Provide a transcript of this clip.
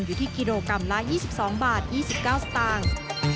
อยู่ที่กิโลกรัมละ๒๒บาท๒๙สตางค์